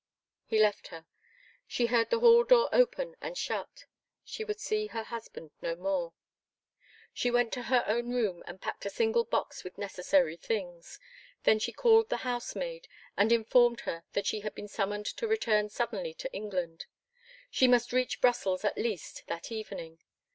He left her. She heard the hall door open and shut. She would see her husband no more. She went to her own room and packed a single box with necessary things. Then she called the housemaid and informed her that she had been summoned to return suddenly to England; she must reach Brussels at least that evening.